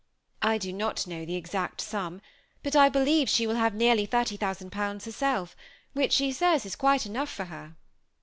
I do not know the ex^ct sum, but I believe she will have nearly £80,000 herself, which she says is quite enough for her."